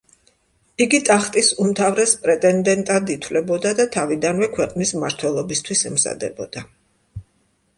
იგი ტახტის უმთავრეს პრეტენდენტად ითვლებოდა და თავიდანვე ქვეყნის მმართველობისთვის ემზადებოდა.